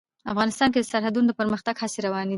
افغانستان کې د سرحدونه د پرمختګ هڅې روانې دي.